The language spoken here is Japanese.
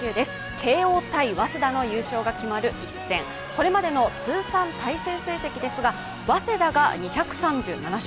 慶応×早稲田の優勝が決まる一戦、これまでの通算対戦成績ですが早稲田が２３７勝。